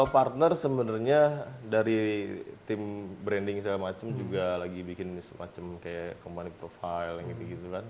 partner sebenarnya dari tim branding segala macam juga lagi bikin semacam kayak company profile yang gitu gitu kan